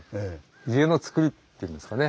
家のつくりっていうんですかね。